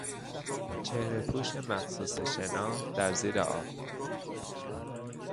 چهرهپوش مخصوص شنا در زیر آب